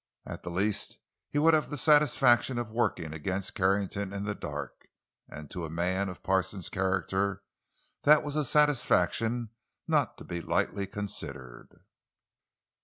At the least, he would have the satisfaction of working against Carrington in the dark. And to a man of Parsons' character that was a satisfaction not to be lightly considered.